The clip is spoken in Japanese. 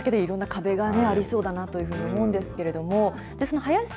もう想像するだけで、いろんな壁がありそうだなというふうに思うんですけれども。